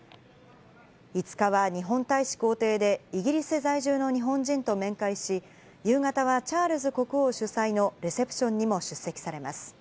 ５日は日本大使公邸でイギリス在住の日本人と面会し、夕方はチャールズ国王主催のレセプションにも出席されます。